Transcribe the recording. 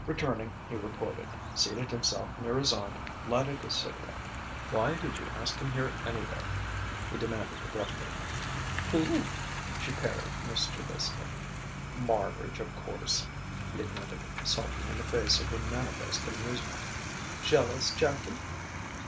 Returning, he reported, seated himself near his aunt, lighted a cigarette. "Why did you ask him here anyway?" he demanded abruptly. "Who?" she parried mischievously. "Marbridge, of course," he admitted, sulking in the face of her manifest amusement. "Jealous, Jackie?"